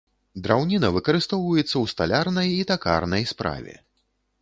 Драўніна выкарыстоўваецца ў сталярнай і такарнай справе.